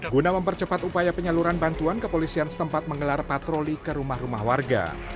guna mempercepat upaya penyaluran bantuan kepolisian setempat menggelar patroli ke rumah rumah warga